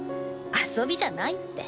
遊びじゃないって。